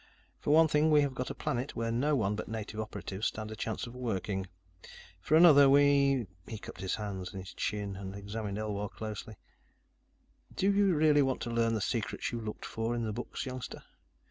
For one thing, we have got a planet where no one but native operatives stand a chance of working. For another we " He cupped his chin in his hands and examined Elwar closely. "Do you really want to learn the secrets you looked for in the books, youngster?